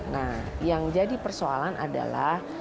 nah yang jadi persoalan adalah